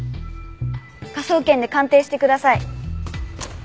科捜研で鑑定してください。